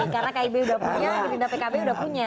karena kib sudah punya pindah pkb sudah punya